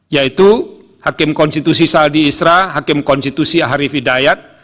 yaitu hakim konstitusi saldi isra hakim konstitusi ahri fidayat